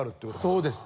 そうです。